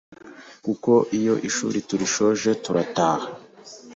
kuko iyo ishuri turisoje turataha